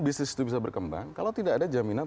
bisnis itu bisa berkembang kalau tidak ada jaminan